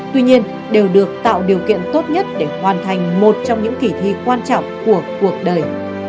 tuy nhiên đều được tạo điều kiện tốt nhất để hoàn thành một trong những kỳ thi quan trọng của cuộc đời